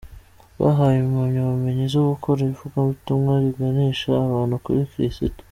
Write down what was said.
Bahawe impamyabumenyi zo gukora ivugabutumwa riganisha abantu kuri Kirisitu.